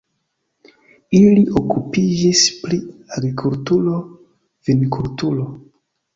Ili okupiĝis pri agrikulturo, vinkulturo.